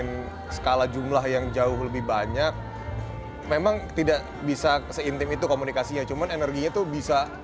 termasuk lagu hits mereka seperti api dan lentera dan bahas bahasa